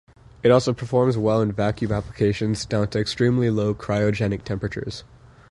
It also performs well in vacuum applications, down to extremely low cryogenic temperatures.